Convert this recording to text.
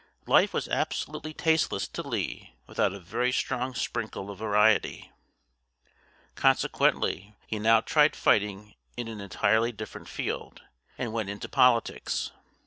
Life was absolutely tasteless to Lee without a very strong sprinkle of variety. Consequently he now tried fighting in an entirely different field, and went into politics.